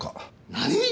何！？